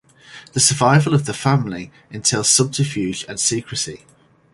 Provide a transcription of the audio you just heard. The survival of the family entails subterfuge and secrecy.